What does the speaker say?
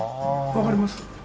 わかります？